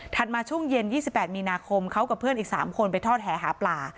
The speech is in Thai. ถัดมาช่วงเย็นยี่สิบแปดมีนาคมเขากับเพื่อนอีกสามคนไปทอดแหหาปลา